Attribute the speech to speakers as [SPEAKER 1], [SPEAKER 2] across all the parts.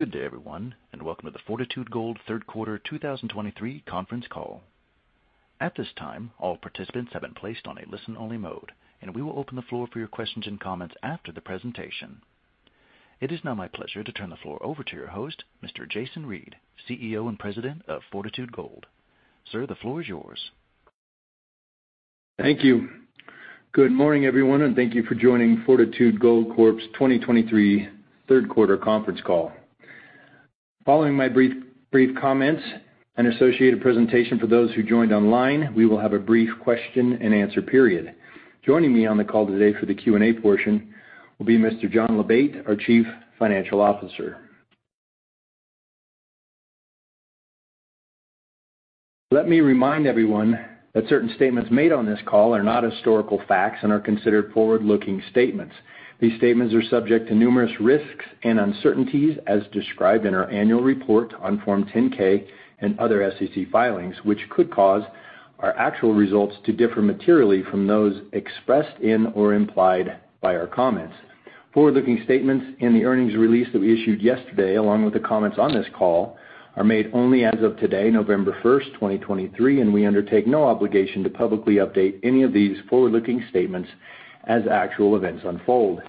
[SPEAKER 1] Good day, everyone, and welcome to the Fortitude Gold third quarter 2023 conference call. At this time, all participants have been placed on a listen-only mode, and we will open the floor for your questions and comments after the presentation. It is now my pleasure to turn the floor over to your host, Mr. Jason Reid, CEO and President of Fortitude Gold. Sir, the floor is yours.
[SPEAKER 2] Thank you. Good morning, everyone, and thank you for joining Fortitude Gold Corp's 2023 third quarter conference call. Following my brief comments and associated presentation for those who joined online, we will have a brief question-and-answer period. Joining me on the call today for the Q&A portion will be Mr. John Labate, our Chief Financial Officer. Let me remind everyone that certain statements made on this call are not historical facts and are considered forward-looking statements. These statements are subject to numerous risks and uncertainties, as described in our annual report on Form 10-K and other SEC filings, which could cause our actual results to differ materially from those expressed in or implied by our comments. Forward-looking statements in the earnings release that we issued yesterday, along with the comments on this call, are made only as of today, November 1st, 2023, and we undertake no obligation to publicly update any of these forward-looking statements as actual events unfold.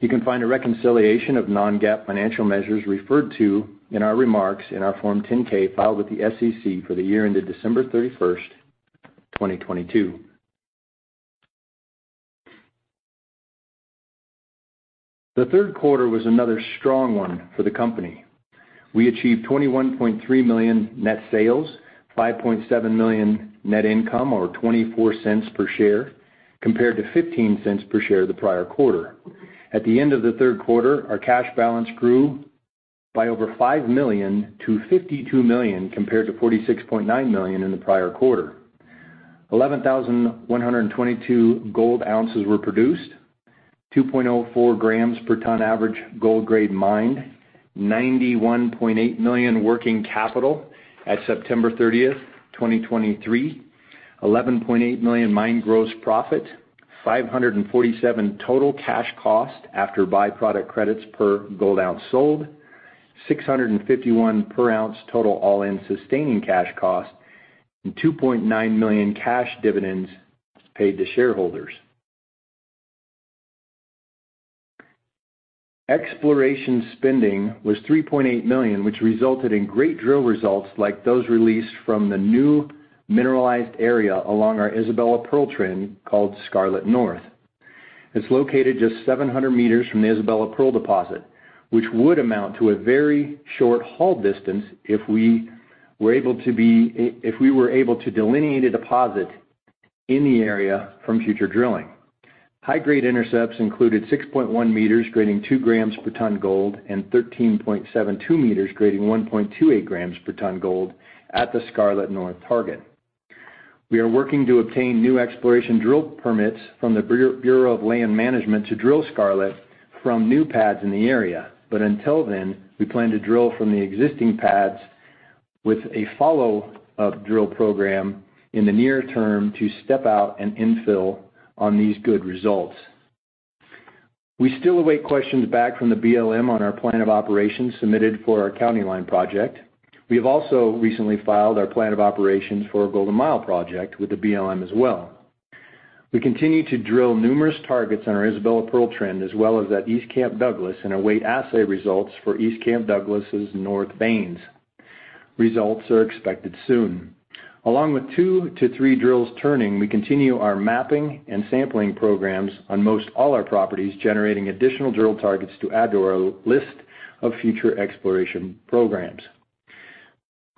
[SPEAKER 2] You can find a reconciliation of non-GAAP financial measures referred to in our remarks in our Form 10-K, filed with the SEC for the year ended December 31st, 2022. The third quarter was another strong one for the company. We achieved $21.3 million net sales, $5.7 million net income, or $0.24 per share, compared to $0.15 per share the prior quarter. At the end of the third quarter, our cash balance grew by over $5 million to $52 million, compared to $46.9 million in the prior quarter. 11,122 gold ounces were produced, 2.04 grams per ton average gold grade mined, $91.8 million working capital at September 30th, 2023, $11.8 million mine gross profit, $547 total cash cost after byproduct credits per gold ounce sold, $651 per ounce total all-in sustaining cash cost, and $2.9 million cash dividends paid to shareholders. Exploration spending was $3.8 million, which resulted in great drill results like those released from the new mineralized area along our Isabella Pearl trend, called Scarlet North. It's located just 700 meters from the Isabella Pearl deposit, which would amount to a very short haul distance if we were able to delineate a deposit in the area from future drilling. High-grade intercepts included 6.1 m, grading 2 g per tonne gold, and 13.72 m, grading 1.28 g per tonne gold at the Scarlet North target. We are working to obtain new exploration drill permits from the Bureau of Land Management to drill Scarlet from new pads in the area. But until then, we plan to drill from the existing pads with a follow-up drill program in the near term to step out and infill on these good results. We still await questions back from the BLM on our Plan of Operations submitted for our County Line project. We have also recently filed our Plan of Operations for our Golden Mile project with the BLM as well. We continue to drill numerous targets on our Isabella Pearl trend, as well as at East Camp Douglas, and await assay results for East Camp Douglas's North veins. Results are expected soon. Along with two to three drills turning, we continue our mapping and sampling programs on most all our properties, generating additional drill targets to add to our list of future exploration programs.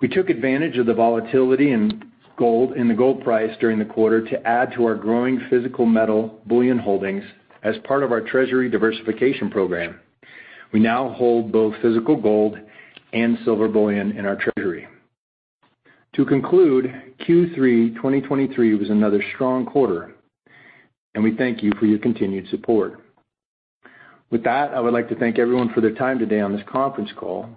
[SPEAKER 2] We took advantage of the volatility in gold, in the gold price during the quarter to add to our growing physical metal bullion holdings as part of our treasury diversification program. We now hold both physical gold and silver bullion in our treasury. To conclude, Q3 2023 was another strong quarter, and we thank you for your continued support. With that, I would like to thank everyone for their time today on this conference call.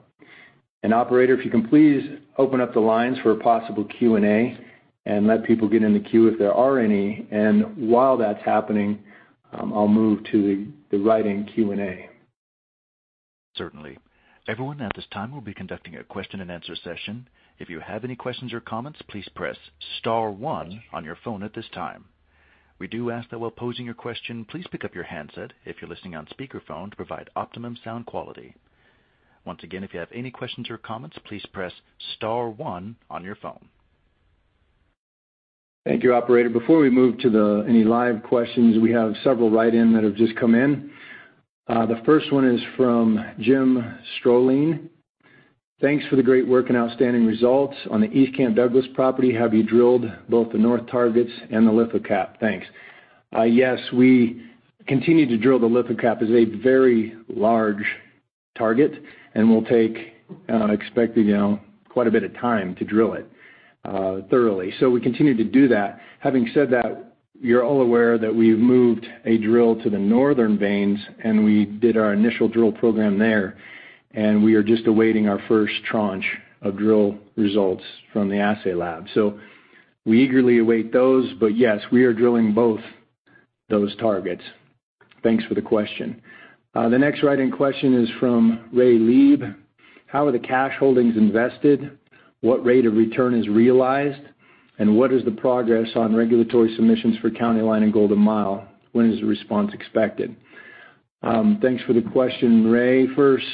[SPEAKER 2] Operator, if you can please open up the lines for a possible Q&A and let people get in the queue if there are any. While that's happening, I'll move to the write-in Q&A.
[SPEAKER 1] Certainly. Everyone, at this time, we'll be conducting a question-and-answer session. If you have any questions or comments, please press star one on your phone at this time. We do ask that while posing your question, please pick up your handset if you're listening on speakerphone to provide optimum sound quality. Once again, if you have any questions or comments, please press star one on your phone.
[SPEAKER 2] Thank you, Operator. Before we move to any live questions, we have several write-in that have just come in. The first one is from Jim Strolling: Thanks for the great work and outstanding results on the East Camp Douglas property. Have you drilled both the north targets and the Lithocap? Thanks. Yes, we continue to drill. The Lithocap is a very large target and will take, expected, you know, quite a bit of time to drill it thoroughly. So we continue to do that. Having said that, you're all aware that we've moved a drill to the northern veins, and we did our initial drill program there, and we are just awaiting our first tranche of drill results from the assay lab. So we eagerly await those. But yes, we are drilling both those targets. Thanks for the question. The next write-in question is from Ray Lieb: How are the cash holdings invested? What rate of return is realized, and what is the progress on regulatory submissions for County Line and Golden Mile? When is the response expected? Thanks for the question, Ray. First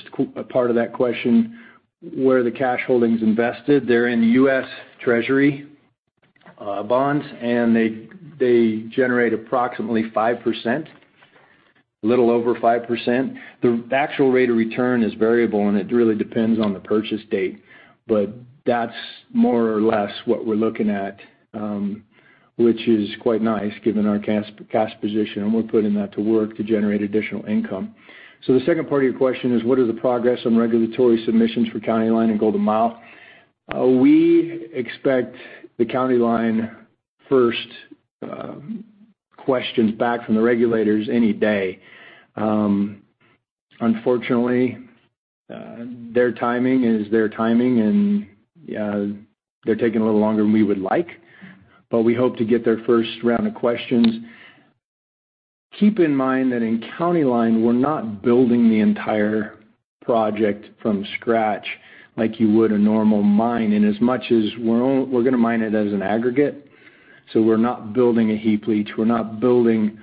[SPEAKER 2] part of that question, where are the cash holdings invested? They're in the U.S. Treasury bonds, and they generate approximately 5%, a little over 5%. The actual rate of return is variable, and it really depends on the purchase date, but that's more or less what we're looking at, which is quite nice, given our cash position, and we're putting that to work to generate additional income. So the second part of your question is, what is the progress on regulatory submissions for County Line and Golden Mile? We expect the County Line first questions back from the regulators any day. Unfortunately, their timing is their timing, and they're taking a little longer than we would like, but we hope to get their first round of questions. Keep in mind that in County Line, we're not building the entire project from scratch, like you would a normal mine. And as much as we're going to mine it as an aggregate, so we're not building a heap leach. We're not building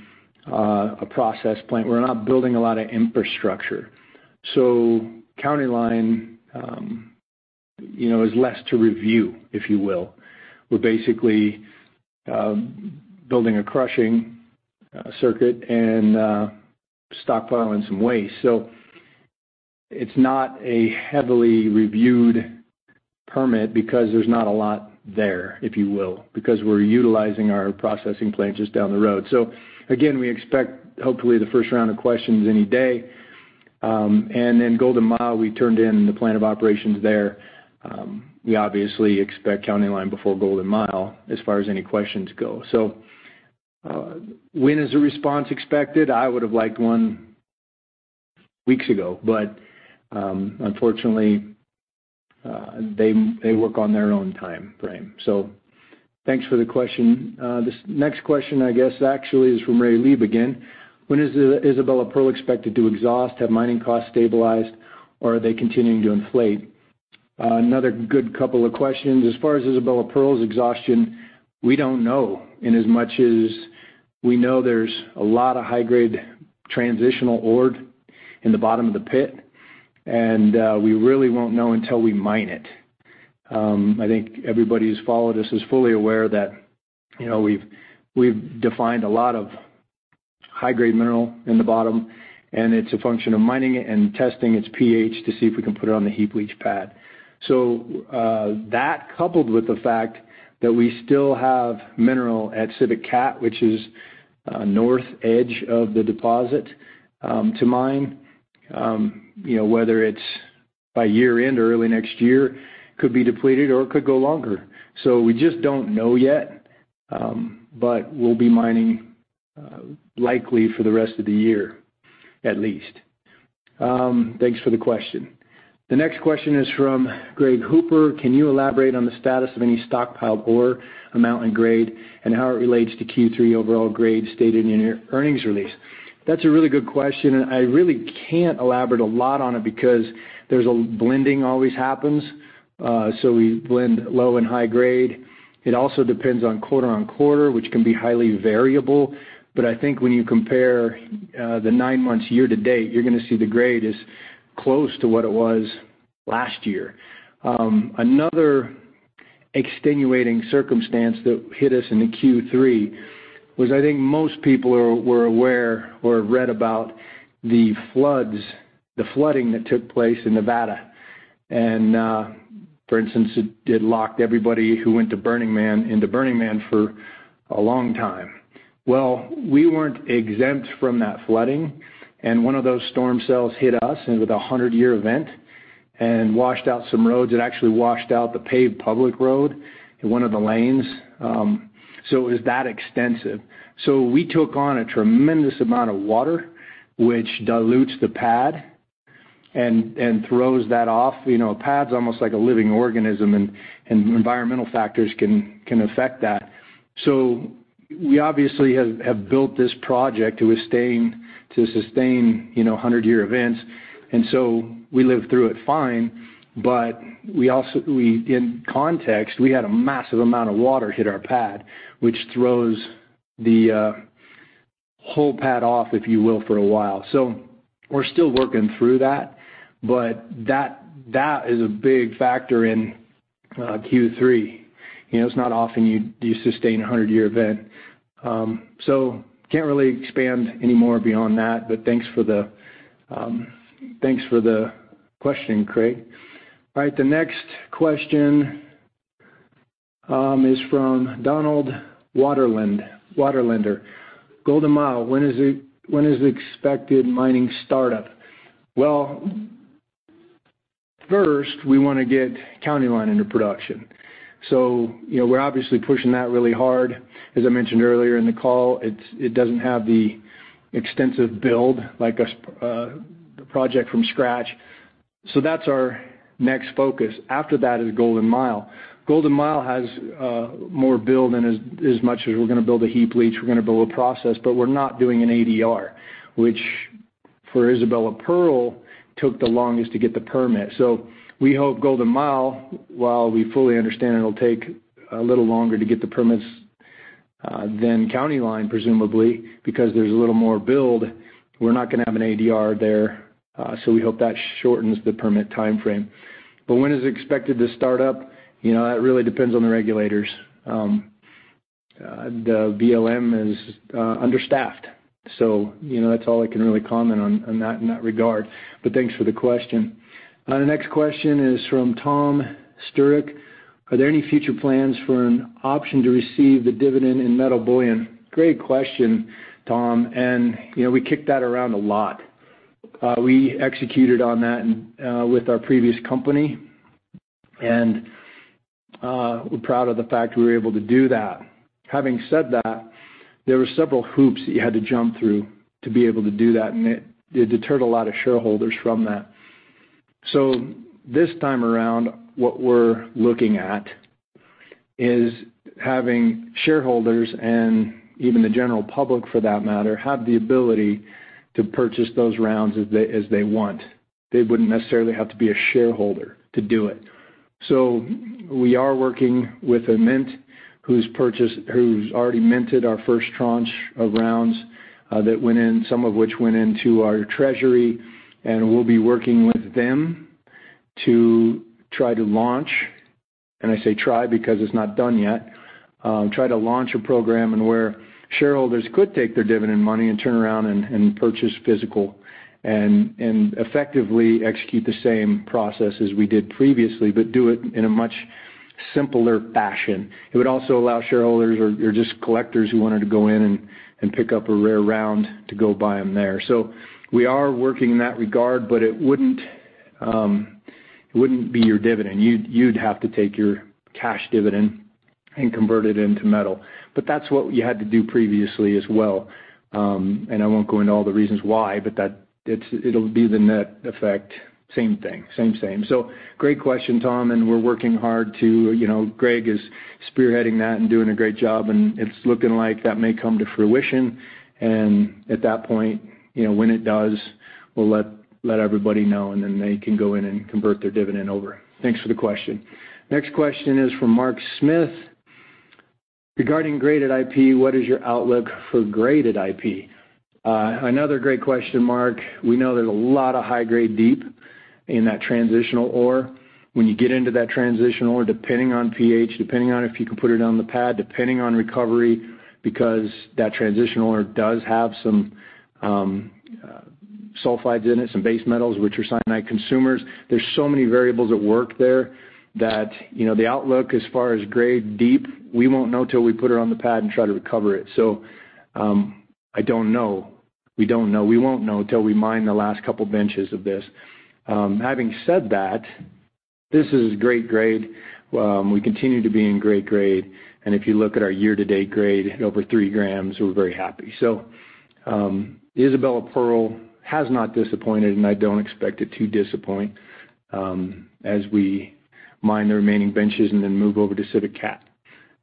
[SPEAKER 2] a process plant. We're not building a lot of infrastructure. So County Line, you know, is less to review, if you will. We're basically building a crushing circuit and stockpiling some waste. So it's not a heavily reviewed permit because there's not a lot there, if you will, because we're utilizing our processing plant just down the road. So again, we expect, hopefully, the first round of questions any day. And then Golden Mile, we turned in the Plan of Operations there. We obviously expect County Line before Golden Mile as far as any questions go. So, when is a response expected? I would have liked one weeks ago, but, unfortunately, they work on their own timeframe. So thanks for the question. This next question, I guess, actually is from Ray Lieb again. When is the Isabella Pearl expected to exhaust? Have mining costs stabilized, or are they continuing to inflate? Another good couple of questions. As far as Isabella Pearl's exhaustion, we don't know. In as much as we know, there's a lot of high-grade transitional ore in the bottom of the pit, and, we really won't know until we mine it. I think everybody who's followed us is fully aware that, you know, we've, we've defined a lot of high-grade mineral in the bottom, and it's a function of mining it and testing its pH to see if we can put it on the heap leach pad. So, that, coupled with the fact that we still have mineral at Civit Cat, which is, north edge of the deposit, to mine, you know, whether it's by year-end or early next year, could be depleted or it could go longer. So we just don't know yet, but we'll be mining, likely for the rest of the year, at least. Thanks for the question. The next question is from Greg Hooper: Can you elaborate on the status of any stockpiled ore, amount, and grade, and how it relates to Q3 overall grade stated in your earnings release? That's a really good question, and I really can't elaborate a lot on it because there's blending always happens, so we blend low and high grade. It also depends on quarter-on-quarter, which can be highly variable. But I think when you compare the nine months year-to-date, you're going to see the grade is close to what it was last year. Another extenuating circumstance that hit us in the Q3 was I think most people were aware or have read about the floods, the flooding that took place in Nevada. And, for instance, it locked everybody who went to Burning Man into Burning Man for a long time. Well, we weren't exempt from that flooding, and one of those storm cells hit us, and it was a hundred-year event, and washed out some roads. It actually washed out the paved public road in one of the lanes, so it was that extensive. So we took on a tremendous amount of water, which dilutes the pad and throws that off. You know, a pad's almost like a living organism, and environmental factors can affect that. So we obviously have built this project to withstand, to sustain, you know, hundred-year events, and so we lived through it fine. But we also, in context, we had a massive amount of water hit our pad, which throws the whole pad off, if you will, for a while. So we're still working through that, but that is a big factor in Q3. You know, it's not often you sustain a 100-year event. So can't really expand any more beyond that, but thanks for the question, Craig. All right, the next question is from Donald Waterlander. Golden Mile, when is the expected mining startup? Well, first, we want to get County Line into production. So you know, we're obviously pushing that really hard. As I mentioned earlier in the call, it doesn't have the extensive build like a project from scratch. So that's our next focus. After that is Golden Mile. Golden Mile has more build than as much as we're going to build a heap leach, we're going to build a process, but we're not doing an ADR, which for Isabella Pearl took the longest to get the permit. So we hope Golden Mile, while we fully understand it'll take a little longer to get the permits than County Line, presumably, because there's a little more build, we're not going to have an ADR there. So we hope that shortens the permit timeframe. But when is it expected to start up? You know, that really depends on the regulators. The BLM is understaffed, so, you know, that's all I can really comment on in that regard. But thanks for the question. The next question is from Tom Sturrick: Are there any future plans for an option to receive the dividend in metal bullion? Great question, Tom, and, you know, we kicked that around a lot. We executed on that, and, with our previous company, and, we're proud of the fact we were able to do that. Having said that, there were several hoops that you had to jump through to be able to do that, and it, it deterred a lot of shareholders from that. So this time around, what we're looking at is having shareholders, and even the general public for that matter, have the ability to purchase those rounds as they, as they want. They wouldn't necessarily have to be a shareholder to do it. So we are working with a mint whose purchaser who's already minted our first tranche of rounds, that went in, some of which went into our treasury, and we'll be working with them to try to launch, and I say try because it's not done yet, try to launch a program in where shareholders could take their dividend money and turn around and purchase physical and effectively execute the same process as we did previously, but do it in a much simpler fashion. It would also allow shareholders or just collectors who wanted to go in and pick up a rare round to go buy them there. So we are working in that regard, but it wouldn't be your dividend. You'd have to take your cash dividend and convert it into metal. But that's what you had to do previously as well. And I won't go into all the reasons why, but it's, it'll be the net effect, same thing, same, same. So great question, Tom, and we're working hard to, you know, Greg is spearheading that and doing a great job, and it's looking like that may come to fruition. And at that point, you know, when it does, we'll let everybody know, and then they can go in and convert their dividend over. Thanks for the question. Next question is from Mark Smith: Regarding graded IP, what is your outlook for graded IP? Another great question, Mark. We know there's a lot of high grade deep in that transitional ore. When you get into that transitional ore, depending on pH, depending on if you can put it on the pad, depending on recovery, because that transitional ore does have some, sulfides in it, some base metals, which are cyanide consumers. There's so many variables at work there that, you know, the outlook as far as grade deep, we won't know till we put it on the pad and try to recover it. So, I don't know. We don't know. We won't know till we mine the last couple benches of this. Having said that, this is great grade. We continue to be in great grade, and if you look at our year-to-date grade, over three grams, we're very happy. So, the Isabella Pearl has not disappointed, and I don't expect it to disappoint, as we mine the remaining benches and then move over to Civit Cat,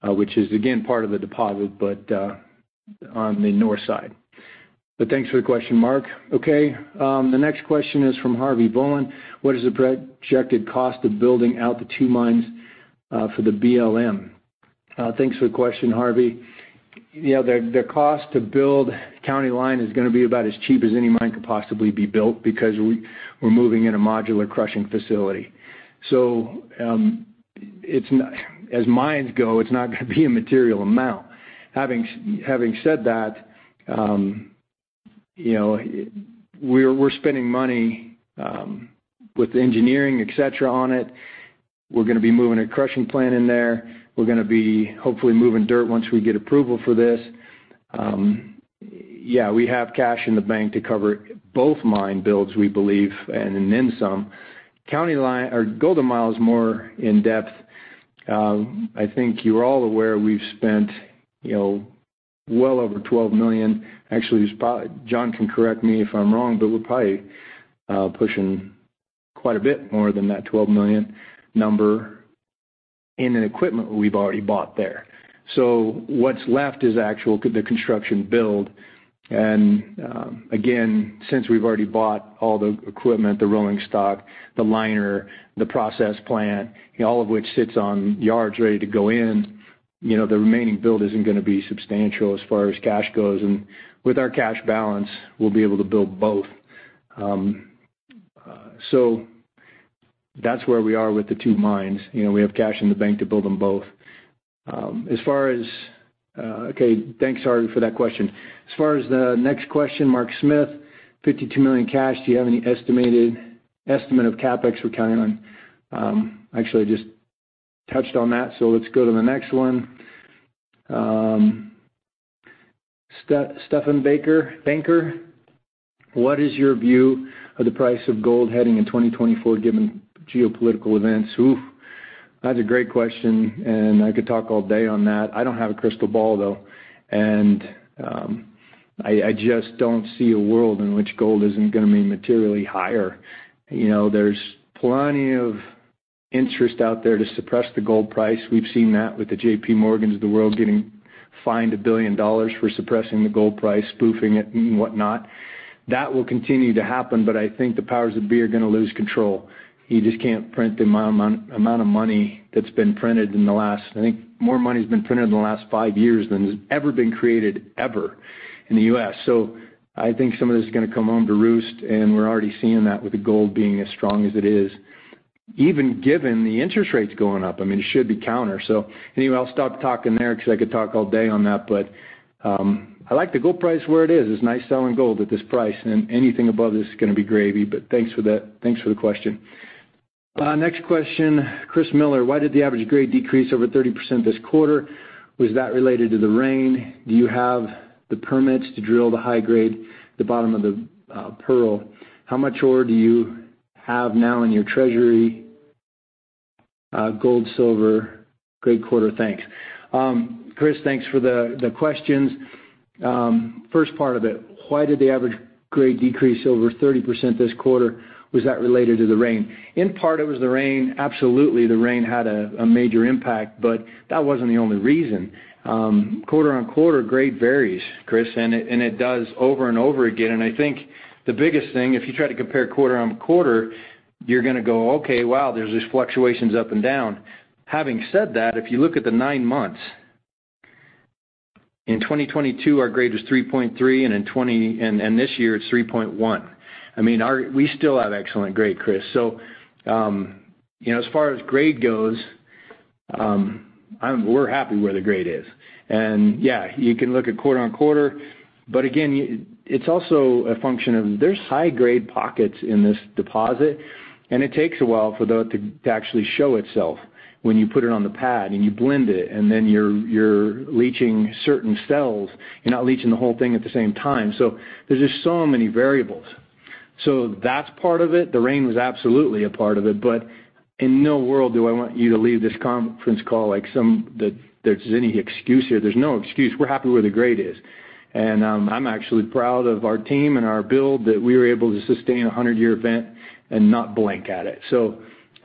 [SPEAKER 2] which is, again, part of the deposit, but, on the north side. But thanks for the question, Mark. Okay, the next question is from Harvey Bowen: What is the projected cost of building out the two mines, for the BLM? Thanks for the question, Harvey. You know, the cost to build County Line is going to be about as cheap as any mine could possibly be built because we're moving in a modular crushing facility. So, it's as mines go, it's not going to be a material amount. Having said that, you know, we're spending money, with engineering, et cetera, on it. We're going to be moving a crushing plant in there. We're going to be hopefully moving dirt once we get approval for this. Yeah, we have cash in the bank to cover both mine builds, we believe, and then some. County Line or Golden Mile is more in depth. I think you're all aware we've spent, you know, well over $12 million. Actually, it's probably, John can correct me if I'm wrong, but we're probably pushing quite a bit more than that $12 million number in the equipment we've already bought there. So what's left is actually the construction build, and, again, since we've already bought all the equipment, the rolling stock, the liner, the process plant, all of which sits on yards ready to go in, you know, the remaining build isn't going to be substantial as far as cash goes, and with our cash balance, we'll be able to build both. So that's where we are with the two mines. You know, we have cash in the bank to build them both. As far as... Okay, thanks, Harvey, for that question. As far as the next question, Mark Smith: $52 million cash, do you have any estimate of CapEx we're counting on? Actually, I just touched on that, so let's go to the next one. Stephen Banker: What is your view of the price of gold heading in 2024, given geopolitical events? Oof.... That's a great question, and I could talk all day on that. I don't have a crystal ball, though, and I just don't see a world in which gold isn't gonna be materially higher. You know, there's plenty of interest out there to suppress the gold price. We've seen that with the J.P. Morgans of the world getting fined $1 billion for suppressing the gold price, spoofing it, and whatnot. That will continue to happen, but I think the powers that be are gonna lose control. You just can't print the amount of money that's been printed in the last. I think more money has been printed in the last five years than has ever been created, ever, in the U.S. So I think some of this is gonna come home to roost, and we're already seeing that with the gold being as strong as it is, even given the interest rates going up. I mean, it should be counter. So anyway, I'll stop talking there 'cause I could talk all day on that, but, I like the gold price where it is. It's nice selling gold at this price, and anything above this is gonna be gravy. But thanks for that. Thanks for the question. Next question, Chris Miller: Why did the average grade decrease over 30% this quarter? Was that related to the rain? Do you have the permits to drill the high grade, the bottom of the Pearl? How much ore do you have now in your treasury? Gold, silver. Great quarter. Thanks. Chris, thanks for the questions. First part of it, why did the average grade decrease over 30% this quarter? Was that related to the rain? In part, it was the rain. Absolutely, the rain had a major impact, but that wasn't the only reason. Quarter-over-quarter grade varies, Chris, and it does over and over again. And I think the biggest thing, if you try to compare quarter-over-quarter, you're gonna go, "Okay, wow, there's these fluctuations up and down." Having said that, if you look at the nine months, in 2022, our grade was 3.3, and in 2023. And this year, it's 3.1. I mean, we still have excellent grade, Chris. So, you know, as far as grade goes, we're happy where the grade is. Yeah, you can look at quarter-over-quarter, but again, it's also a function of there's high-grade pockets in this deposit, and it takes a while for that to actually show itself when you put it on the pad, and you blend it, and then you're leaching certain cells. You're not leaching the whole thing at the same time. So there's just so many variables. So that's part of it. The rain was absolutely a part of it, but in no world do I want you to leave this conference call like some, that there's any excuse here. There's no excuse. We're happy where the grade is, and I'm actually proud of our team and our build, that we were able to sustain a 100-year event and not blink at it. So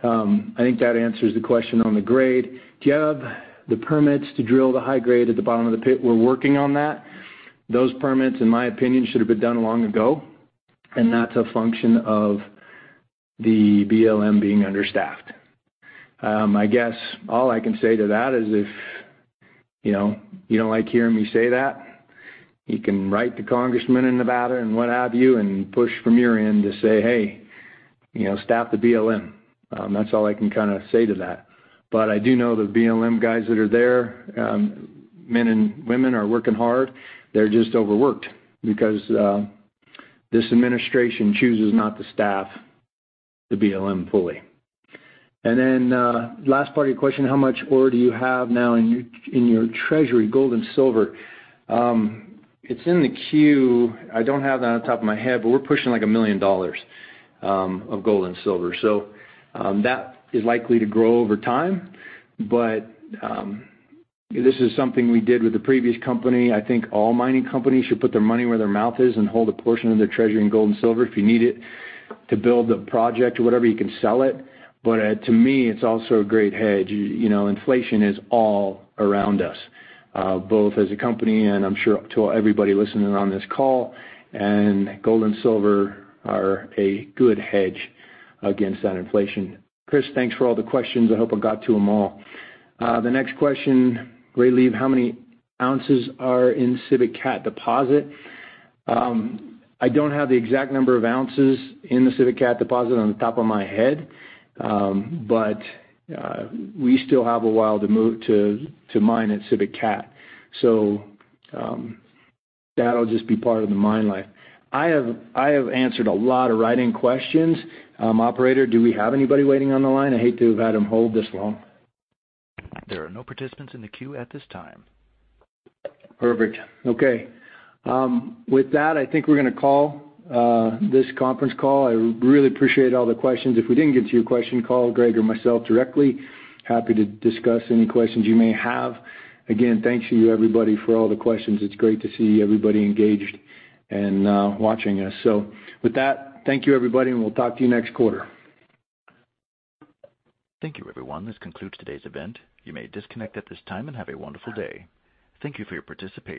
[SPEAKER 2] I think that answers the question on the grade. Do you have the permits to drill the high grade at the bottom of the pit? We're working on that. Those permits, in my opinion, should have been done long ago, and that's a function of the BLM being understaffed. I guess all I can say to that is, if, you know, you don't like hearing me say that, you can write to congressmen in Nevada and what have you, and push from your end to say, "Hey, you know, staff the BLM." That's all I can kinda say to that. But I do know the BLM guys that are there, men and women, are working hard. They're just overworked because this administration chooses not to staff the BLM fully. And then, last part of your question: How much ore do you have now in your, in your treasury, gold and silver? It's in the queue. I don't have that off the top of my head, but we're pushing, like, $1 million of gold and silver. So, that is likely to grow over time, but this is something we did with the previous company. I think all mining companies should put their money where their mouth is and hold a portion of their treasury in gold and silver. If you need it to build a project or whatever, you can sell it. But to me, it's also a great hedge. You know, inflation is all around us, both as a company and I'm sure to everybody listening on this call, and gold and silver are a good hedge against that inflation. Chris, thanks for all the questions. I hope I got to them all. The next question, Ray Lieb: How many ounces are in Civit Cat deposit? I don't have the exact number of ounces in the Civit Cat deposit on the top of my head, but we still have a while to move to, to mine at Civit Cat. So, that'll just be part of the mine life. I have answered a lot of write-in questions. Operator, do we have anybody waiting on the line? I hate to have had them hold this long.
[SPEAKER 1] There are no participants in the queue at this time.
[SPEAKER 2] Perfect. Okay. With that, I think we're gonna call this conference call. I really appreciate all the questions. If we didn't get to your question, call Greg or myself directly. Happy to discuss any questions you may have. Again, thanks to you, everybody, for all the questions. It's great to see everybody engaged and watching us. So with that, thank you, everybody, and we'll talk to you next quarter.
[SPEAKER 1] Thank you, everyone. This concludes today's event. You may disconnect at this time, and have a wonderful day. Thank you for your participation.